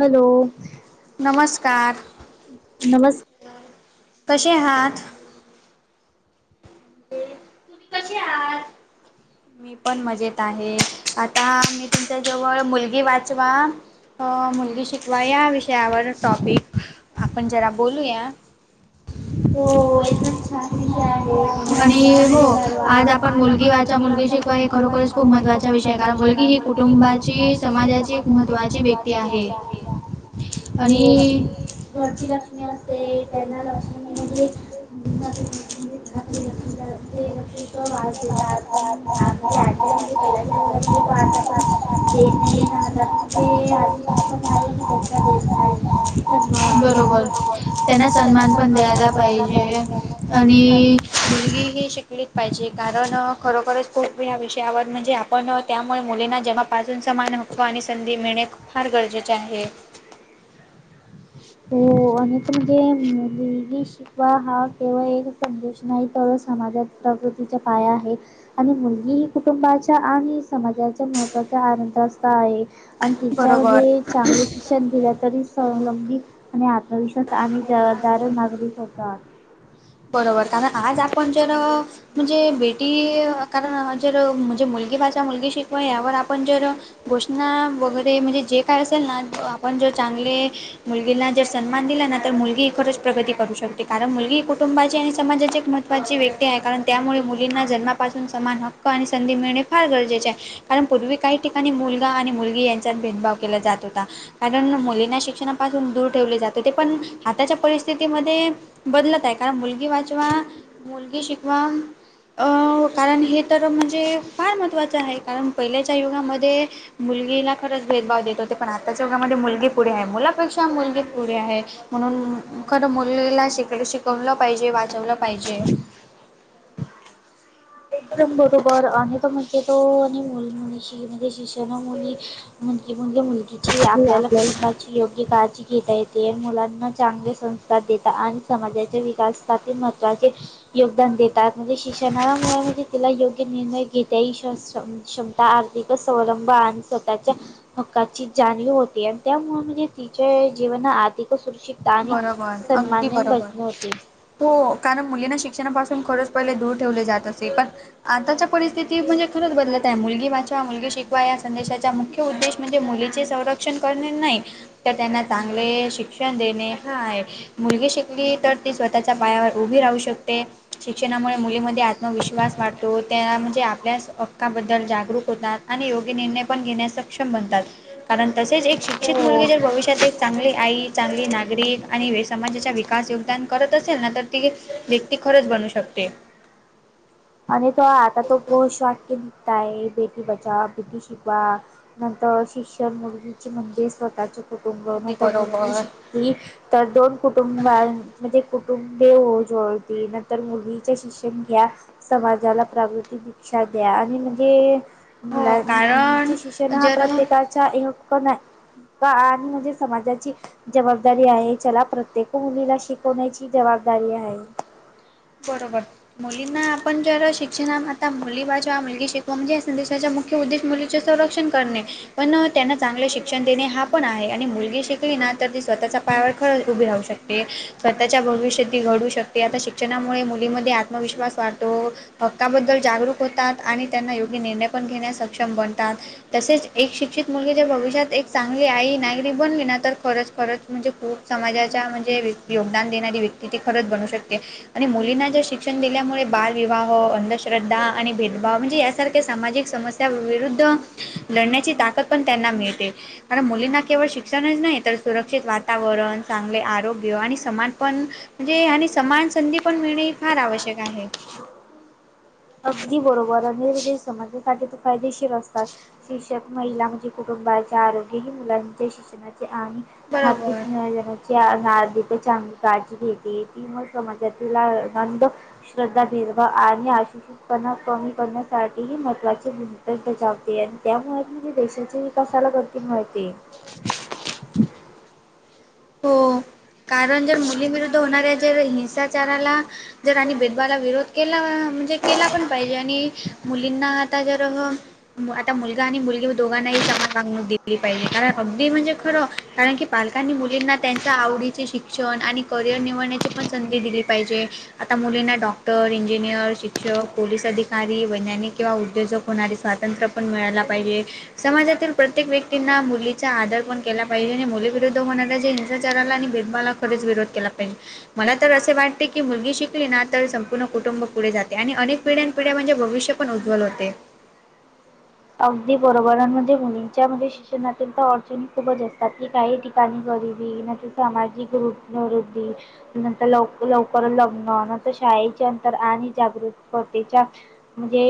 Hello नमस्कार नमस्कार कशे आहात? तुम्ही कसे आहात? मी पण मजेत आहे आता मी तुमच्या जवळ मुलगी वाचवा अ मुलगी शिकवा या विषयावर टॉपिक आपण जरा बोलूया हो बोलायचं आणि हो आज आपण मुलगी वाचवा मुलगी शिकवा हे खरोखरच खूप महत्वाचा विषय कारण मुलगी ही कुटुंबाची समाजाची एक महत्त्वाची व्यक्ती आहे आणि घरची लक्ष्मी असते त्यांना लक्षणे म्हणजे [unintelligible] घराकडे लक्ष्मी ते [unintelligible] [inaudible] बरोबर त्यांना सन्मान पण द्यायला पाहिजे आणि मुलगी ही शिकलीच पाहिजे कारण खरोखरच खूप ह्या विषयावर म्हणजे पण त्यामुळे मुलींना जेव्हा पासून समान हक्क आणि संधी मिळणे फार गरजेचे आहे हो आणि इथं म्हंजे इंग्लीश वा हा केवळ एक संदेश नाही तर समाजात प्रकृतीचा पाया आहे आणि मुलगी ही कुटुंबाच्या आणि समाजाचा महत्त्वाचा आनंद असता आहे आणि तिच्यामध्ये चांगले शिक्षण दिलं तरी संवलती आणि आत्मविश्वास आणि जबाबदार नागरिक होतात. बरोबर कारण आज आपण जर म्हणजे बेटी कारण जर म्हणजे मुलगी वाचवा मुलगी शिकवा यावर आपण जर घोषणा वगैरे म्हणजे जे काय असेल ना आपण जो चांगले मुलगीला जर सन्मान दिला ना तर मुलगी खरंच प्रगती करू शकते कारण मुलगी कुटुंबाची आणि समाजाची एक महत्त्वाची व्यक्ती आहे कारण त्यामुळे मुलींना जन्मापासून समान हक पा आणि संधी मिळणे फार गरजेचं आहे. कारण पूर्वी काही ठिकाणी मुलगा आणि मुलगी यांच्यात भेदभाव केला जात होता. कारण मुलींना शिक्षणापासून दूर ठेवले जात होते पण आताच्या परिस्थितीमध्ये बदलत आहे कारण मुलगी वाचवा मुलगी शिकवा अं कारण हे तर म्हणजे फार महत्त्वाचं आहे कारण पहिल्याच्या युगामध्ये मुलगीला खरंच भेदभाव देत होते पण आताच्या जगामध्ये मुलगी पुढे आहे मुलापेक्षा मुलगी पुढे आहे. म्हणून खरं मुलीला श शिकवलं पाहिजे वाचवलं पाहिजे. एकदम बरोबर आणि तो म्हणजे तो आणि मुली मुलीशी म्हणजे शि ज मुली मुलगी मुलगीची आपल्याला कुटुंब योग्य काळजी घेता येते मुलांना चांगले संस्कार देता आणि समाजाचे विकास महत्वाचे योगदान देतात म्हणजे शिक्षणामुळे म्हणजे तिला योग्य निर्णय घेता ही क्षमता आर्थिक स्वलंब आणि स्वतःच्या हक्काची जाणिव होती आणि त्यामुळे म्हणजे तिच्या जीवना आधिक सुरक्षि ता आणि सन्मानने [unintelligible] होते. हो कारण मुलींना शिक्षणापासून खरंच पहिले दूर ठेवले जात असे पण आताच्या परिस्थिती म्हणजे खरंच बदलत आहे मुलगी वाचवा मुलगी शिकवा या संदेशाच्या मुख्य मुख्य उद्देश म्हणजे मुलीचे संरक्षण करणे नाही तर त्यांना चांगले शिक्षण देणे. हा मुलगी शिकली तर ती स्वतःच्या पायावर उभी राहू शकते. शिक्षणामुळे मुलीमध्ये आत्मविश्वास वाढतो त्या म्हणजे आपल्या हक्काबद्दल जागरूक होतात. आणि योग्य निर्णय पण घेण्यास सक्षम बनतात. कारण तसेच एक शिक्षित मुलगी जर भविष्यात एक चांगली आई चांगली ना नागरिक आणि समाजाचा विकास योगदान करत असेल ना तर ती व्यक्ती खरंच बनू शकते. आणि तो आता तो बो शॉक्य निघताय बेटी बचाव बेटी शिकवा नंतर शिक्षण मुलगी चे म्हणजे स्वतःचे कुटुंब नंतर मुलांनी तर दोन कुटुंब म्हणजे कुटुंबे उजळती नंतर मुलीच्या शिक्षन घ्या समाजाला प्रागतिक द्या आणि म्हणजे मुलांचे शिक्षण हा प्रत्येकाचा एक कण आहे. आणि म्हणजे समाजाची जबाबदारी आहे. चला प्रत्येक मुलीला शिकवण्याची जबाबदारी आहे. बरोबर मुलींना आपण जर शिक्षणा आता मुली बाजा मुलगी शिकवा म्हणजे या संदेशाच्या उद्देश मुलीचे संरक्षण करणे. पण त्यांना चांगलं शिक्षण देणे हा पण आहे आणि मुलगी शिकली ना तर ती स्वतःचा पायावर खरं उभी राहू शकते. स्वतःच्या भविष्य ती घडू शकते आता शिक्षणामुळे मुलीमध्ये आत्मविश्वास वाढतो. हक्काबद्दल जागरूक होतात आणि त्यांना योग्य निर्णय पण घेण्यास सक्षम बनतात. तसेच एक शिक्षित मुलगी ज भविष्यात एक चांगली आई नागरीक बनली ना तर खरंच खरच म्हणजे खूप समाजाच्या म्हणजे योगदान देणारी व्यक्ती ती खरंच बनू शकते आणि मुलींना जर शिक्षण दिल्यामुळे बालविवाह, अंधश्रद्धा आणि भेदभाव म्हणजे यासारख्या सामाजिक समस्या त्या विरुद्ध लढण्याची ताकद पण त्यांना मिळते. कारण मुलींना केवळ शिक्षणच नाही तर सुरक्षित वातावरण चांगले आरोग्य आणि समानपण म्हणजे ह्या समान संधी पण मिळणे ह फार आवश्यक आहे. अगदी बरोबर अरदेश समाजासाठी तर फायदेशीर असतात. शिक्षक महिला म्हणजे कुटुंबाचे आरोग्य ह मुलांचे शिक्षणाचे आणि हाती जग [inaudible] ना चांगली काळजी घेते ती मग समाजातला नंद श्रद्धा ठेवा आणि आशिष पणा कमी करण्यासाठी ही महत्वाची भूमिका बजावते आणि त्यामुळे मी देशाच्या विकासाला करते‌. ती मिळतीये. [inaudible] हो कारण जर मुलीविरुद्ध होणाऱ्या जर हिंसाचाराला जर आणि भेदभाला विरोध केला म्हणजे केला पण पाहिजे आणि मुलींना आता जर आता मुलगा आणि मुलगी दोघांनाही समान मागणूक दिली पाहिजे कारण अगदी म्हणजे खरं कारण की पालकांनी मुल मुलींना त्यांच आवडीचे शिक्षण आणि करिअर निवडण्याची पण संधी दिली पाहिजे. आता मुलींना डॉक्टर इंजिनियर शिक्षक पोलीस अधिकारी वैज्ञानिक किंवा उद्योजक होणारे स्वातंत्र्य पण मिळायला पाहिजे. समाजातील प्रत्येक व्यक्तींना मुलीचा आदर पण केला पाहिजे आणि मुली विरुद्ध होणारी ्या हिंसाचाराला आणि भेदभाला खरच विरोध केला पाहिजे. मला तर असे वाटते की मुलगी शिकली ना तर संपूर्ण कुटुंब पुढे जाते आणि अनेक पिढ्यान पिढ्या म्हणजे भविष्य पण उज्वल होते. अगदी बरोबर आहे म्हणजे मुलींच्या शिक्षणातील तर अडचण खूपच असतात की काही पाणी करी न सामाजिक रूपवरृद्धी नंतर लव लवकर लग्न नंतर शाळेच्या नंतर आणि जागृततेच्या म्हणजे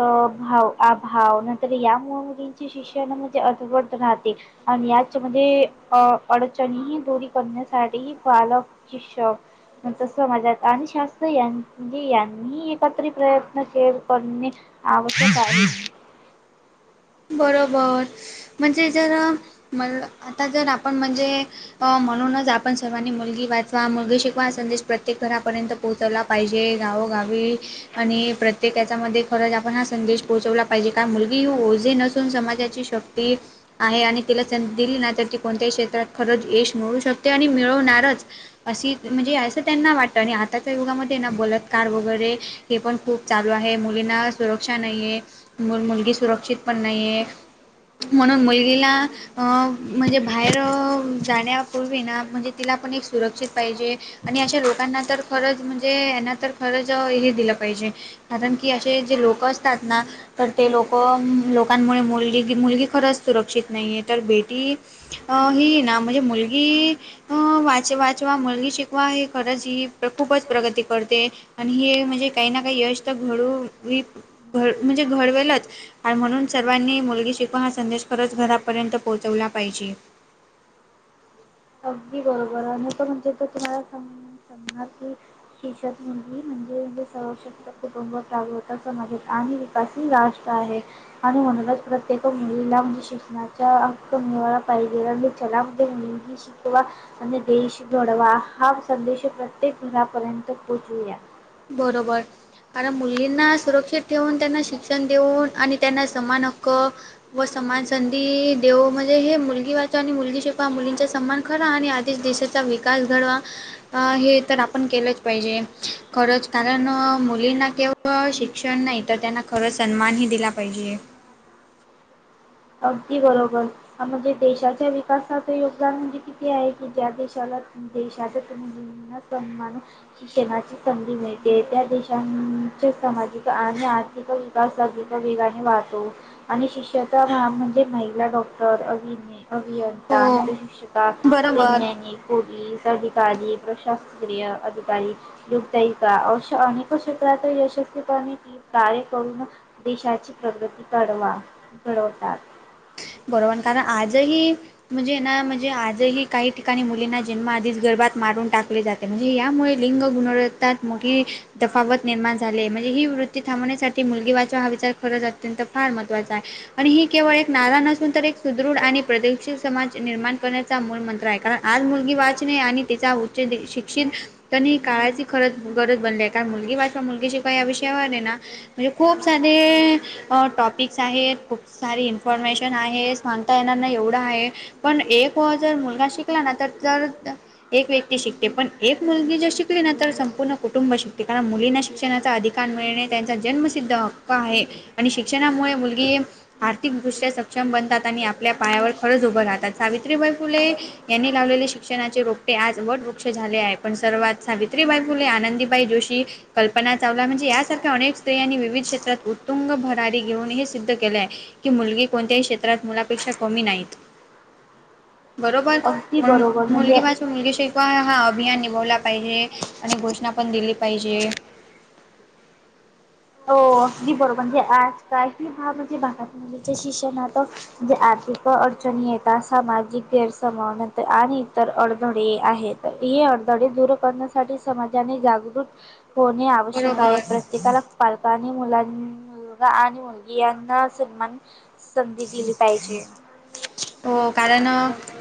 अ भाव भावना तरी यामुळ मुलींचे शिक्षण म्हणजे अर्धवट राहते. आणि याच्यामध्ये अ अडचणीही दूरी करण्यासाठीही पालक शिक्षक तसं समाजात आणि शास्त्र यां यांनीही एकत्रित प्रयत्न केल करणे आवश्यक आहे. बरोबर म्हणजे जरा म आता जरा आपण म्हणजे अ म्हणूनच आपण सर्वांनी मुलगी वाचवा, मुलगी शिकवा असा संदेश प्रत्येक घरापर्यंत पोहोचवला पाहिजे गावोगावी आणि प्रत्येक याच्यामध्ये खरंच आपण हा संदेश पोहोचवला पाहिजे काय मुलगी ही जी नसून समाजाची शक्ती आहे आणि तिला संधी दिली ना तर ती कोणत्याही क्षेत्रात खरंच यश मिळू शकते आणि मिळवणारच अशी म्हणजे असं त्यांना वाटतं आणि आताच्या युगामध्ये ना बलात्कार वगैरे हे पण खूप चालू आहे मुलींना सुरक्षा नाहीये, मुलगी सुरक्षित पण नाही आहे. म्हणून मुलगीला म्हणजे बाहेर जाण्यापूर्वी ना म्हणजे तिला पण एक सुरक्षित पाहिजे. आणि अशा लोकांना तर खरंच म्हणजे यांना तर खरंच हे दिलं पाहिजे कारण की असे जे लोक असतात ना तर ते लोक लोकांमुळे मुलगी, मुलगी खरंच सुरक्षित नाही आहे तर बेटी अं ही ना म्हणजे मुलगी अ वाचे वाचवा मुलगी शिकवा हे खरंच ही खूपच प्रगती करते. आणि हे म्हणजे काही ना काही यश तर घडू घ म्हणजे घडवेलच. आणि म्हणून सर्वांनी मुलगी शिकवा हा संदेश खरंच घरापर्यंत पोहोचवला पाहिजे. अगदी बरोबर आहे मी त म्हणजे तर तुम्हाला सांग सांगणार की हेशर मुंडी म्हणजी म्हजे स [inaudible] कुटुंब समवेत समाजात आणि विकास ही राष्ट्र आहे. आणि म्हणूनच प्रत्येक मुलीला म्हणजे शिक्षणाच्या हक्क मिळाला पाहिजे कला मध्ये मुलगी शि आणि देश घडवा हा संदेश प्रत्येक घरापर्यंत पोहोचवू या. बरोबर कारण मुलींना सुरक्षित ठेवून त्यांना शिक्षण देऊन आणि त्यांना समान हक्क व सन्मान संधी देवो म्हणजे हे मुलगी वाचवा आणि मुलगी शिकवा मुलींचा सन्मान करा आणि आधीच देशात चा विकास घडवा हे तर आपण केलंच पाहिजे. खरंच कारण मुलींना केवळ शिक्षण नाही तर त्यांना खरंच सन्मानही दिला पाहिजे. अगदी बरोबर. ह म्हणजे देशाच्या विकासाच योगदान म्हणजे किती आहे कि ज्या देशाला देशाच तील मुलींना सन्मान शिक्षणाची संधी मिळते त्या देशांचे सामाजिक आणि आर्थिक अस तर वेगाने वाचवु आणि शिष्याचा म्हणाल तर म्हणजे महिला डॉक्टर अभिन अभियंता नाहीतर शिक्षिका, वैज्ञानिक पोलीस अधिकारी, प्रशास्त्रीय अधिकारी योगदायीका अशा अनेक क्षेत्रात यशस्वीपणे कार्य करून देशाची प्रगती घडवा. घडवतात. बरोबर कारण आजही- म्हणजे ना? म्हणजे आजही काही ठिकाणी मुलींना जन्मा आधीच गर्भात मारून टाकले जात- त्या म्हणजे यामुळे लिंग गुणवत्तात मोठी - तफावत निर्माण झालिए. म्हणजे ही वृत्ती थांबवण्यासाठी मुलगी वाचवा हा विचार खरंच अत्यंत फार महत्त्वाचा आहे. आणि ही केवळ एक नारा नस - सून एक सुदृढ आणि प्रगतीशील समाज निर्माण करण्याचा मूळ मंत्र आहे. कारण आज मुलगी वाचणे आणि तिचा - शिक्षित- तर काळाची खरच गरज बनली आहे. कारण मुलगी वाचवा मुलगी शिकवा या विषयावर ए ना- म्हणजे खूप सारे टॉपिकस आहेत. खूप सारी इन्फॉर्मेशन- आहे. सांगता येणार नाही एवढं आहे. पण एक वेळ जर मुलगा शिकला ना तर- एक व्यक्ती शिकते. पण एक मुलगी जर शिकली ना तर संपूर्ण कुटुंब शिकते. कारण मुलींना शिक्षणाचा अधिकार- मिळणे त्यांचा जन्मसिद्ध हक्क आहे. आणि शिक्षणामुळे मुलगी आर्थिकदृष्ट्या- सक्षम बनतात आणि आपल्या पायावर खरंच उभं राहतात. सावित्रीबाई फुले- यांनी लावलेले शिक्षणाचे रोपटे आज वट वृक्ष झाले आहे. पण सर्वात सावित्रीबाई फुले, आनंदीबाई जोशी- कल्पना चावला म्हणजे यासारख्या अनेक स्त्रियांनी विविध क्षेत्रात उत्तुंग भरारी घेऊन हे सिद्ध केलेय. की मुलगी कोणत्याही क्षेत्रात मुलापेक्षा कमी नाहीत. बरोबर. म्हणून मुलगी वाचवा - मुलगी शिकवा हा अभियान निभवला पाहिजे आणि घोषणा पण दिली पाहिजे. अगदी बरोबर. म्हणजे आज काही हा म्हणजे भागात [unintelligible] शिक्षणात - म्हणजे आर्थिक अडचणी येेतात. सामाजिक गैरसमज नंतर आणि इतर अडथळे आहेत. ही अडथळे दूर करण्यासाठी समाजाने जागृत होणे आव - आवश्यक आहे. प्रत्येकाला पालक- आणि मुलां मुलगा आणि मुलगी यांना समान संधी दिली पाहिजे. हो. कारण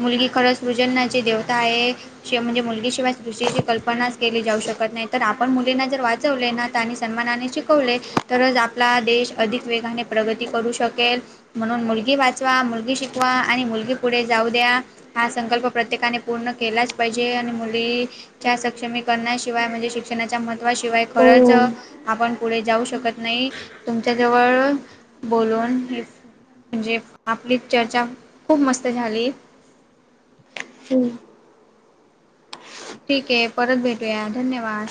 मुलगी खरंच सृजननाची देवता आहे. म्हणजे मुलगी शिवाय सृष्टीची कल्पनाच केली जाऊ शकत नाही. तर आपण मुलींना जर वाचवले ना- नी सन्मानाने शिकवले तरच आपला देश अधिक वेगाने प्रगती करू शकेल. म्हणून मुलगी वाचवा, मुलगी शिकवा आणि मुलगी पुढे जाऊ द्या- हा संकल्प प्रत्येकाने पूर्ण केलाच पाहिजे. आणि मुली- च्या सक्षमीकरणाशिवाय म्हणजे शिक्षणाच्या महत्त्वाशिवाय खरंच- आपण पुढे जाऊ शकत नाही. तुमच्या जवळ बोलून- म्हणजे आपली चर्चा खूप मस्त झाली. ठीक आहे. परत भेटूया धन्यवाद.